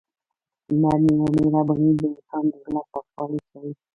نرمي او مهرباني د انسان د زړه پاکوالی ښيي.